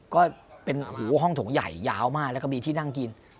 ก็เป็นหูห้องถงใหญ่ยาวมากแล้วก็มีที่นั่งกิน